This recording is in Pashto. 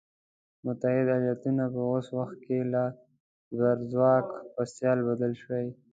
متحده ایالتونه په اوس وخت کې له زبرځواک په سیال بدل شوی.